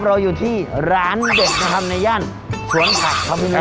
เราอยู่ที่ร้านเด็ดนะครับในย่านสวนผักครับพี่มีนครับผม